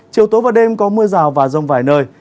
chiều tối và đêm có mưa rào và rông vài nơi